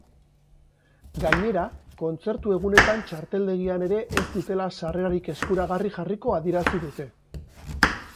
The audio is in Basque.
Gainera, kontzertu egunetan txarteldegian ere ez dutela sarrerarik eskuragarri jarriko adierazi dute.